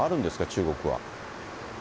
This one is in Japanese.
中国は。